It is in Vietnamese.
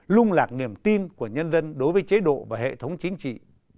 lung lạc niềm tin của nhân dân đối với chế độ và hệ thống chính trị